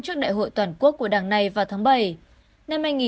trước đại hội toàn quốc của đảng này vào tháng bảy